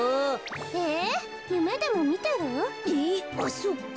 えっゆめでもみてる？えっあっそっか。